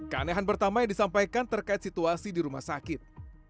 keanehan pertama yang disampaikan terkait situasi di rumah sakit